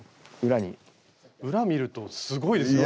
裏見るとすごいですから。